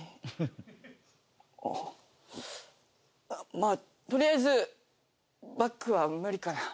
まあとりあえずバッグは無理かな。